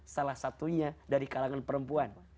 salah satunya dari kalangan perempuan